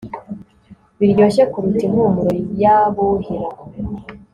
biryoshye kuruta impumuro yabuhira